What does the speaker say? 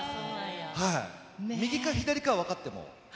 右か左かは分かっても。